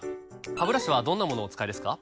ハブラシはどんなものをお使いですか？